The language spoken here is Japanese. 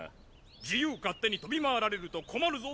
自由勝手に飛び回られると困るぞ！